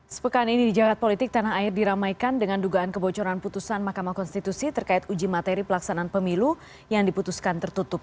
sepekan ini di jagad politik tanah air diramaikan dengan dugaan kebocoran putusan mahkamah konstitusi terkait uji materi pelaksanaan pemilu yang diputuskan tertutup